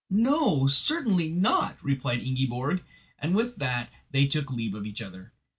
"No, certainly not!" replied Ingiborg; and with that they took leave of each other.